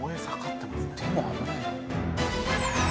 手も危ない。